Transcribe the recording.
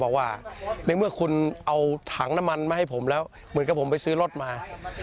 บอกว่าในเมื่อคุณเอาถังน้ำมันมาให้ผมแล้วเหมือนกับผมไปซื้อรถมา